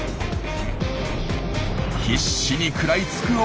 必死に食らいつくオス。